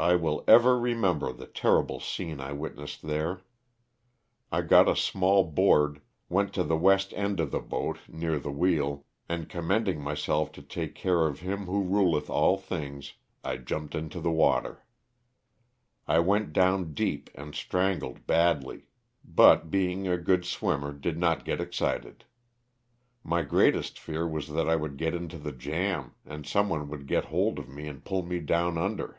I will ever remember the terrible scene I witnessed there. I got a small board, went to the west end of the boat, near the wheel, and commending myself to the care of Him who ruleth all things, I jumped into the water. I went down deep and strangled badly, but, being a good 94 LOSS OF THE SULTANA. swimmer, did not get excited. My greatest fear was that I would get into the jam and someone would get hold of me and pull me down under.